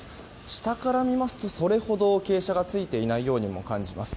下から見ますとそれほど傾斜がついていないようにも感じます。